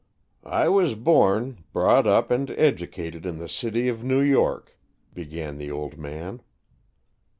"I was born, brought up and educated in the city of New York," began the old man.